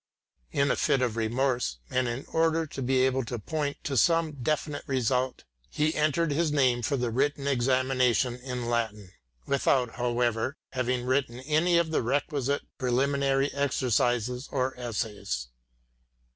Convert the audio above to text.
In a fit of remorse, and in order to be able to point to some definite result, he entered his name for the written examination in Latin, without, however, having written any of the requisite preliminary exercises or essays.